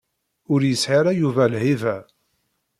Ur yesɛi ara Yuba lhiba.